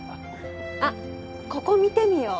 あっここ見てみよう。